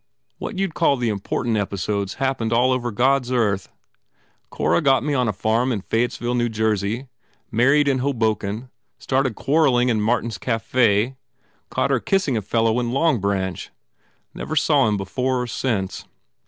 What you d call the important epi sodes happened all over God s earth. Cora got me on a farm in Fayettesville, N. J., married in Hoboken. Started quarreling in Martin s cafe. Caught her kissing a fellow at Longbranch. Never saw him before or since.